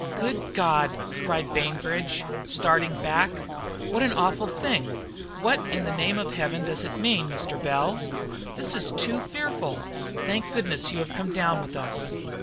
"Good God!" cried Bainbridge, starting back, "what an awful thing! What, in the name of Heaven, does it mean, Mr. Bell? This is too fearful. Thank goodness you have come down with us."